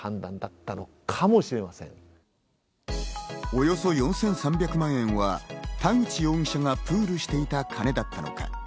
およそ４３００万円は田口容疑者がプールしていた金だったのか？